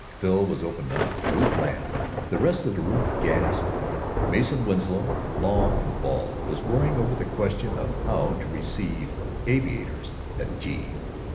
Phil was open mouthed. Ruth laughed. The rest of the room gasped. Mason Winslow, long and bald, was worrying over the question of How to Receive Aviators at Tea.